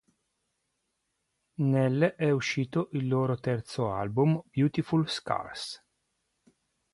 Nel è uscito il loro terzo album "Beautiful Scars".